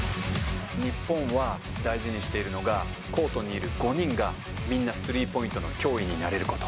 日本は、大事にしているのが、コートにいる５人が、みんなスリーポイントの脅威になれること。